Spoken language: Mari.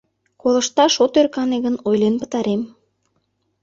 — Колышташ от ӧркане гын, ойлен пытарем.